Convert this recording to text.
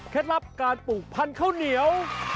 ลับการปลูกพันธุ์ข้าวเหนียว